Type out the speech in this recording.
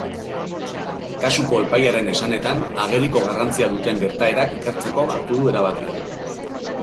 Kasuko epailearen esanetan, ageriko garrantzia duten gertaerak ikertzeko hartu du erabakia.